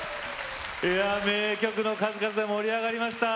名曲の数々で盛り上がりました。